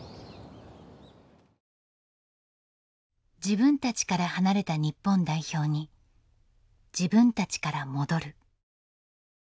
自分たちから離れた日本代表に自分たちから戻る。